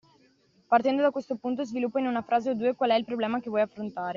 Partendo da questo punto, sviluppa in una frase o due qual è il problema che vuoi affrontare.